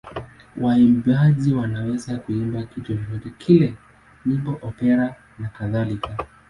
Waimbaji wanaweza kuimba kitu chochote kile: nyimbo, opera nakadhalika.